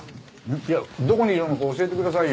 いやどこにいるのか教えてくださいよ。